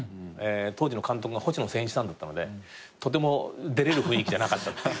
当時の監督が星野仙一さんだったのでとても出れる雰囲気じゃなかったっていう。